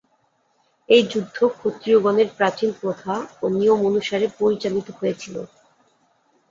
এই যুদ্ধ ক্ষত্রিয়গণের প্রাচীন প্রথা ও নিয়ম অনুসারে পরিচালিত হইয়াছিল।